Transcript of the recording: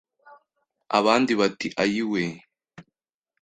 Abandi bati ayi we